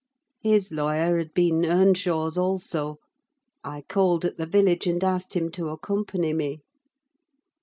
His lawyer had been Earnshaw's also: I called at the village, and asked him to accompany me.